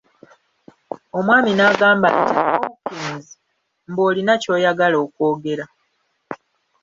Omwami n'agamba nti "Hawkins mbu olina ky'oyagala okwogera.